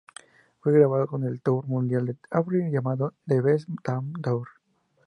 Fue grabado en el tour mundial de avril llamado The Best Damn Tour.